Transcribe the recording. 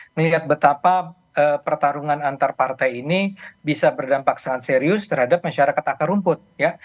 melihat betapa pertarungan antar partai ini bisa berdampak sangat serius terhadap masyarakat akar rumput ya